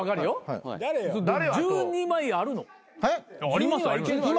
ありますあります。